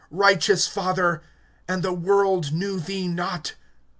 (25)Righteous Father! And the world knew thee not!